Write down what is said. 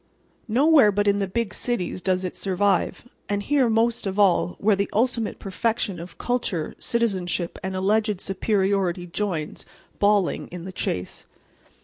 Nowhere but in the big cities does it survive, and here most of all, where the ultimate perfection of culture, citizenship and alleged superiority joins, bawling, in the chase.